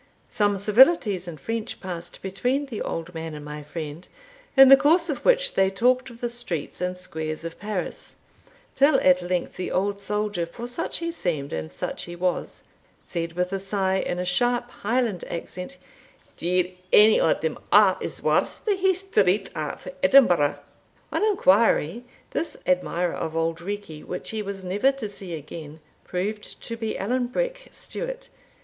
Some civilities in French passed between the old man and my friend, in the course of which they talked of the streets and squares of Paris, till at length the old soldier, for such he seemed, and such he was, said with a sigh, in a sharp Highland accent, "Deil ane o' them a' is worth the Hie Street of Edinburgh!" On inquiry, this admirer of Auld Reekie, which he was never to see again, proved to be Allan Breck Stewart.